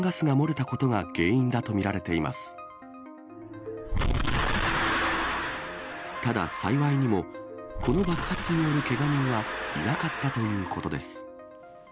ただ、幸いにもこの爆発によるけが人はいなかったということです。